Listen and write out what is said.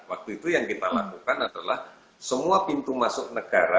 waktu itu yang kita lakukan adalah semua pintu masuk negara